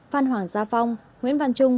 phan hoàng gia phong nguyễn văn trung